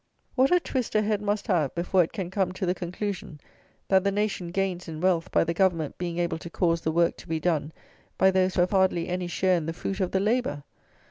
What a twist a head must have before it can come to the conclusion that the nation gains in wealth by the government being able to cause the work to be done by those who have hardly any share in the fruit of the labour!